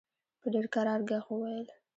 په ډېر کرار ږغ وویل.